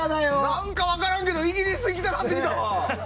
何か分からんけどイギリス行きたなってきたわ！